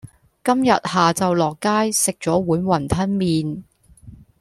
今日下晝落街食咗碗雲吞麪